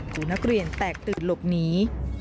นักเรียนแตกตื่นหลบหนี